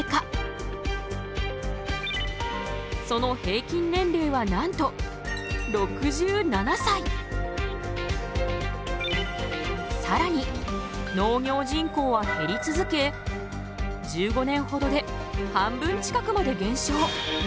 その平均年齢はなんとさらに農業人口は減り続け１５年ほどで半分近くまで減少。